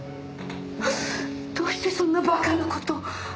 どうしてそんなバカな事。